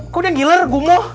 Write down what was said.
kok dia ngiler gumoh